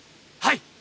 はい！